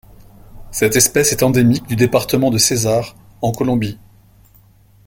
Cette espèce est endémique du département de Cesar en Colombie.